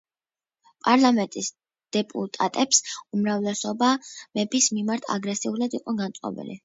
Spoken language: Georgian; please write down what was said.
პარლამენტის დეპუტატების უმრავლესობა მეფის მიმართ აგრესიულად იყო განწყობილი.